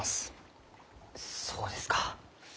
そうですか。